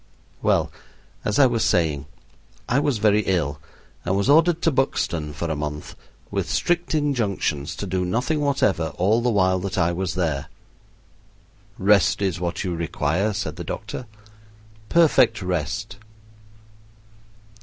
Well, as I was saying, I was very ill and was ordered to Buxton for a month, with strict injunctions to do nothing whatever all the while that I was there. "Rest is what you require," said the doctor, "perfect rest."